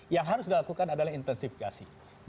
yang harus dilakukan adalah intensifikasi